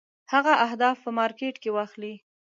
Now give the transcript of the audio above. هغه اهداف په مارکېټ کې واخلي.